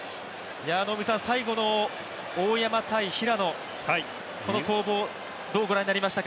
最後の大山対平野、この攻防どうご覧になりましたか。